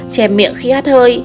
chè miệng khi hát hơi